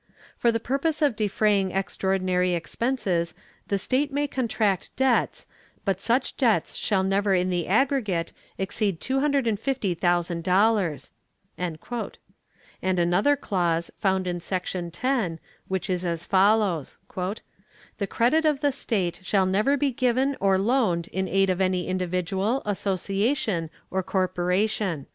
"For the purpose of defraying extraordinary expenses the state may contract debts, but such debts shall never in the aggregate exceed two hundred and fifty thousand dollars." And another clause found in section 10, which is as follows: "The credit of the state shall never be given or loaned in aid of any individual, association or corporation."